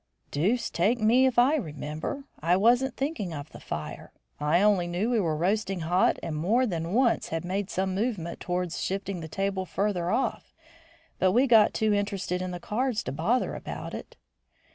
"Deuce take me if I remember. I wasn't thinking of the fire. I only knew we were roasting hot and more than once made some movement towards shifting the table further off, but we got too interested in the cards to bother about it."